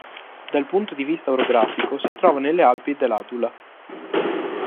Dal punto di vista orografico si trova nelle Alpi dell'Adula.